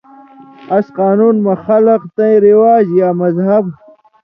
اَس قانُون مہ خلک تَیں رواج یا مذہب